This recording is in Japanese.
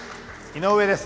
井上です。